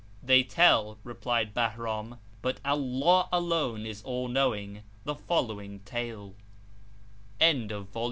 "They tell," replied Bahram, "(but Allah alone is All knowing) the following tale of End of Vol.